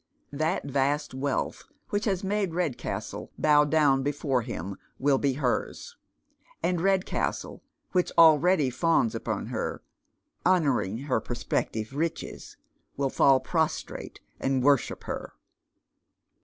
That vast wealth wliich has made Red castle bow down before him will be hers ; and Redcastle, which already fawns upon her — honouring her prospective riches — will fall prostrate and worship her.